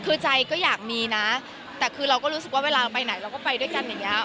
คือใจก็อยากมีนะแต่คือเราก็รู้สึกว่าเวลาไปไหนเราก็ไปด้วยกันอย่างเงี้